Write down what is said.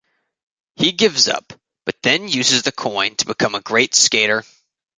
He gives up, but then uses the coin to become a great skater.